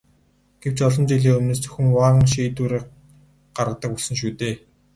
Гэвч олон жилийн өмнөөс зөвхөн ван шийдвэр гаргадаг болсон шүү дээ.